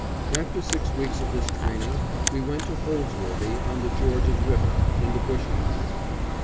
After six weeks of this training we went to Holdsworthy, on the George's River, in the bush country.